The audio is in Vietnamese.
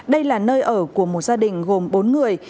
đây là nơi ở của một gia đình gồm bốn người